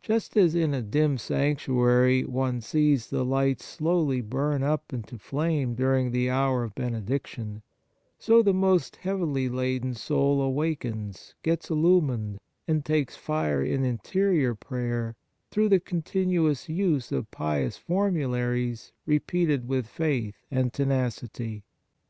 Just as in a dim sanctuary one sees the lights slowly burn up into flame during the hour of Benediction, so the most heavy laden soul awakens, gets illumined, and takes fire in interior 30 Vocal Prayers prayer through the continuous use of pious formularies repeated with faith and tenacity.